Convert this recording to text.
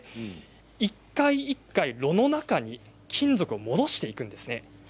一回一回、炉の中に金属を戻していくんですね。